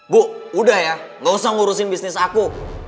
bu udah ya gak usah ngurusin bisnis aku